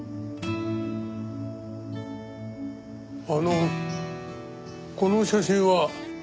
あのこの写真は？